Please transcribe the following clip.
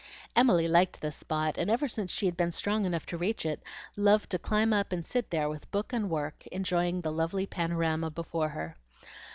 Emily liked this spot, and ever since she had been strong enough to reach it, loved to climb up and sit there with book and work, enjoying the lovely panorama before her.